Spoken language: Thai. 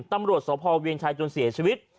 ตำรวจสพเวียงชัยจนเสียชีวิต